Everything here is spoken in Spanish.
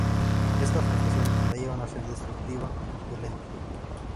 Esta frustración la llevan a ser destructiva, violenta.